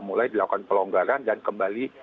mulai dilakukan pelonggaran dan kembali